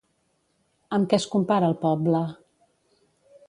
Amb què es compara el poble?